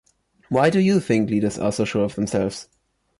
Why do you think leaders are so sure of themselves?